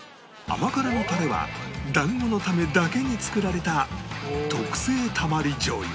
甘辛のタレは団子のためだけに作られた特製たまりじょう油